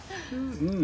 うん。